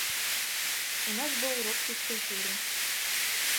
У нас быў урок фізкультуры.